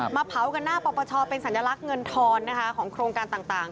มาเผากันหน้าปปชเป็นสัญลักษณ์เงินทอนนะคะของโครงการต่าง